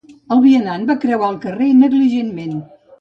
El vianant va creuar el carrer negligentment.